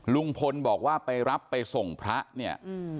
ลุงพลบอกว่าไปรับไปส่งพระเนี่ย